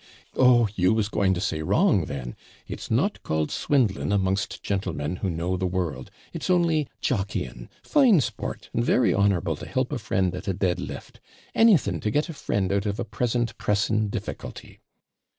'Oh! you was going to say wrong, then! It's not called swindling amongst gentlemen who know the world it's only jockeying fine sport and very honourable to help a friend at a dead lift. Anything to get a friend out of a present pressing difficulty.'